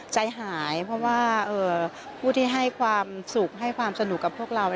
ใจหายเพราะว่าผู้ที่ให้ความสุขให้ความสนุกกับพวกเรา